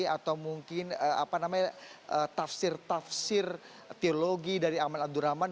atau mungkin tafsir tafsir teologi dari aman abdurrahman